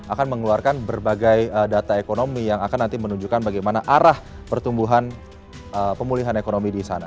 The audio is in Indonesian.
akan mengeluarkan berbagai data ekonomi yang akan nanti menunjukkan bagaimana arah pertumbuhan pemulihan ekonomi di sana